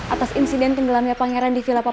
atas insiden tenggelamnya pangeran di villa papaku